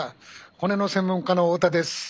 骨の専門家の太田です。